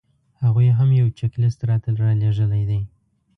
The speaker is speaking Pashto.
هغوی هم یو چیک لیست راته رالېږلی دی.